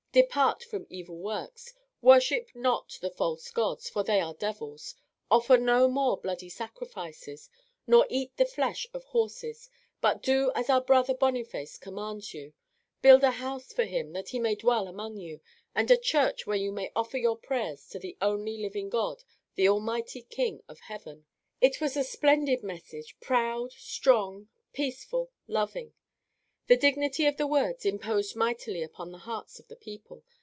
Depart from evil works. Worship not the false gods, for they are devils. Offer no more bloody sacrifices, nor eat the flesh of horses, but do as our Brother Boniface commands you. Build a house for him that he may dwell among you, and a church where you may offer your prayers to the only living God, the Almighty King of Heaven." It was a splendid message: proud, strong, peaceful, loving. The dignity of the words imposed mightily upon the hearts of the people.